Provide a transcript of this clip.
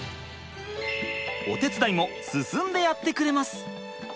お手伝いも進んでやってくれます。